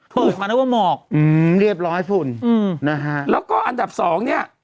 เปิดมานึกว่าหมอกอืมเรียบร้อยคุณอืมนะฮะแล้วก็อันดับสองเนี่ย